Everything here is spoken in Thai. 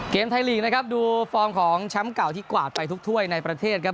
เกมไทยลีกนะครับดูฟอร์มของแชมป์เก่าที่กวาดไปทุกถ้วยในประเทศครับ